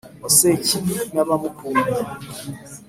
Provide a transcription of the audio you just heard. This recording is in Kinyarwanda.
wa sekibi n’abamukunda